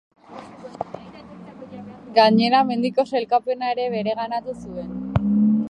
Gainera, mendiko sailkapena ere bereganatu zuen.